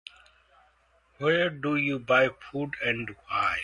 Where do you buy food and why?